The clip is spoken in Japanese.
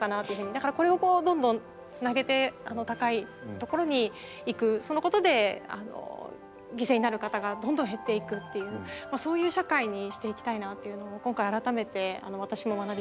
だからこれをどんどんつなげて高いところに行くそのことで犠牲になる方がどんどん減っていくというそういう社会にしていきたいなというのを今回改めて私も学びました。